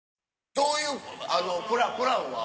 どういうあのプランは？